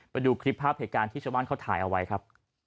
ไปดูคลิปภาพเหตุการณ์ที่ชาวบ้านเขาถ่ายเอาไว้ครับ